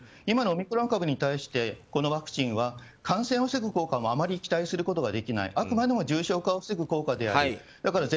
今のオミクロン株に対してこのワクチンは感染を防ぐ効果もあまり期待できないあくまで重症化を防ぐためだと。